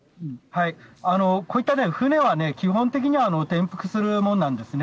こういった船は、基本的には転覆するものなんですね。